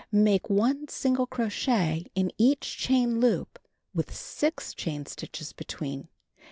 Make 1 single crochet in each chain loop with 6 chain stitches between.